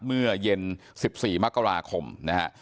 เมื่อเย็น๑๔มกราคมนะฮะ